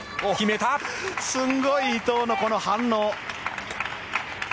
すごい！伊藤のこの反応。